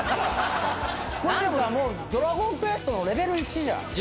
何かもう『ドラゴンクエスト』のレベル１じゃん！